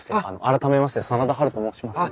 改めまして真田ハルと申します。